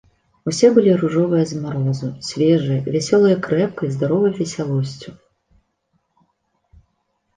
Усе былі ружовыя з марозу, свежыя, вясёлыя крэпкай, здаровай весялосцю.